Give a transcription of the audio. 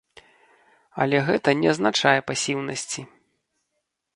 Але гэта не азначае пасіўнасці.